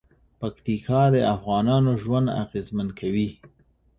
پکتیکا د افغانانو ژوند اغېزمن کوي.